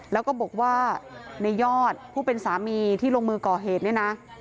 แล้วก็บอกว่าในยอดผู้เป็นสามีที่ลงมือก่อเหตุเนี่ยนะ